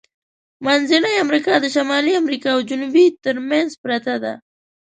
منځنۍ امریکا د شمالی امریکا او جنوبي ترمنځ پرته ده.